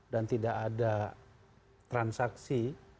dan tidak ada transaksi